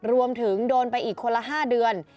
รวมถึงโดนไปอีกคนละ๕เดือน